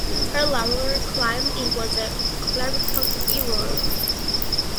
Her lawyer claimed it was a clerical error.